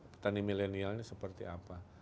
petani milenial ini seperti apa